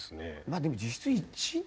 まあでも実質１年？